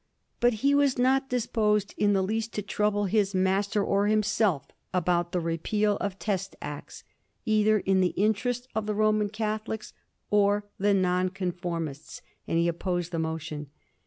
But he was not disposed in the least to trouble his master or himself about the repeal of Test Acts, either in the interest of the Roman Catholics or the Non con formists, and he opposed the motion.